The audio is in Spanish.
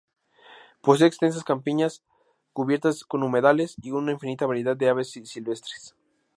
Posee extensas campiñas cubiertas con humedales y una infinita variedad de aves silvestres.